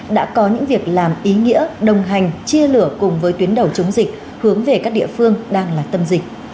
đã có những việc làm ý nghĩa đồng hành chia lửa cùng với tuyến đầu chống dịch hướng về các địa phương đang là tâm dịch